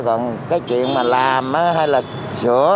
còn cái chuyện mà làm hay là sửa